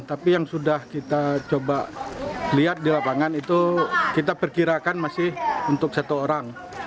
tapi yang sudah kita coba lihat di lapangan itu kita perkirakan masih untuk satu orang